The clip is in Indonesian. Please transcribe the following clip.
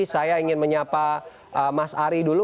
saya ingin menyapa mas ari dulu